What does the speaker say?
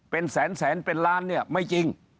เป็นแสนเป็นล้านเนี่ยไม่จริง